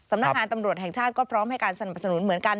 สำนักงานตำรวจแห่งชาติก็พร้อมให้การสนับสนุนเหมือนกัน